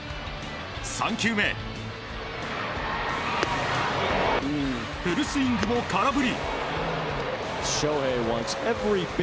３球目、フルスイングも空振り。